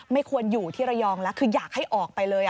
ไม่ควรอยู่ที่ระยองแล้วคืออยากให้ออกไปเลย